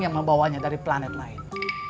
yang membawanya dari planet lain